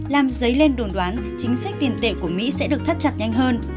làm dấy lên đồn đoán chính sách tiền tệ của mỹ sẽ được thắt chặt nhanh hơn